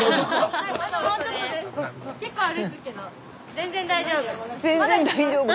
全然大丈夫。